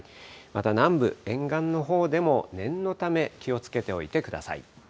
また南部、沿岸のほうでも念のため、気をつけておいてください。